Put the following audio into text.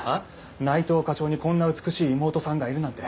内藤課長にこんな美しい妹さんがいるなんて。